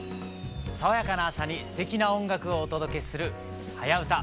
爽やかな朝にすてきな音楽をお届けする「はやウタ」。